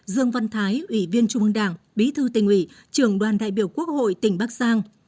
dương văn thái ủy viên trung ương đảng bí thư tỉnh ủy trường đoàn đại biểu quốc hội tỉnh bắc giang